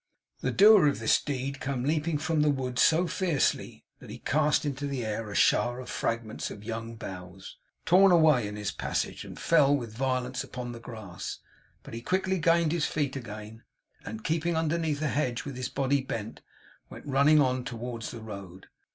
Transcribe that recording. The doer of this deed came leaping from the wood so fiercely, that he cast into the air a shower of fragments of young boughs, torn away in his passage, and fell with violence upon the grass. But he quickly gained his feet again, and keeping underneath a hedge with his body bent, went running on towards the road.